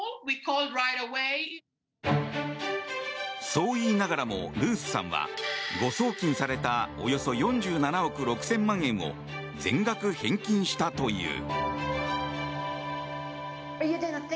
そう言いながらもルースさんは誤送金されたおよそ４７億６０００万円を全額返金したという。